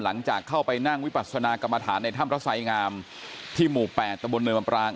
หลังจากเข้าไปนั่งวิปัสนากรรมฐานในถ้ำพระไสงามที่หมู่๘ตะบนเนินบำปราง